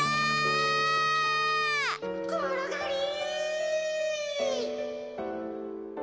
ころがり！